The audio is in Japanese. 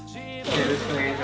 よろしくお願いします。